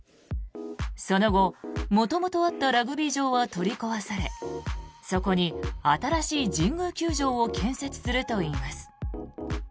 その後、元々あったラグビー場は取り壊されそこに新しい神宮球場を建設するといいます。